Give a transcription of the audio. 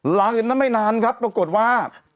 หลังไม่นานครับปรากฏว่า